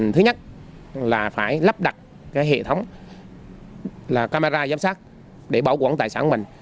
thứ nhất là phải lắp đặt hệ thống camera giám sát để bảo quản tài sản của mình